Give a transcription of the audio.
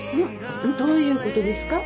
どういうことですか？